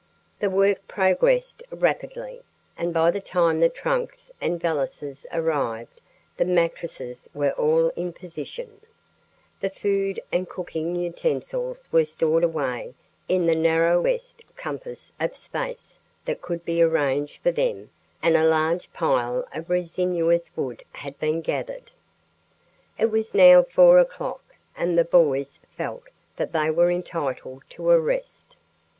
The work progressed rapidly and by the time the trunks and valises arrived the mattresses were all in position, the food and cooking utensils were stored away in the narrowest compass of space that could be arranged for them and a large pile of resinous wood had been gathered. It was now 4 o'clock and the boys felt that they were entitled to a rest.